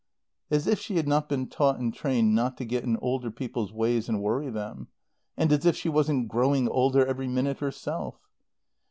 As if she had not been taught and trained not to get in older people's ways and worry them. And as if she wasn't growing older every minute herself!